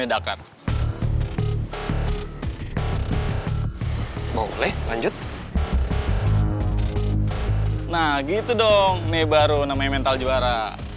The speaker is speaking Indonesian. hidupkan mau leh lanjut nah gitu dong nih baru namanya mental juara